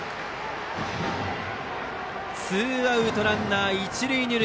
ツーアウトでランナー、一塁二塁。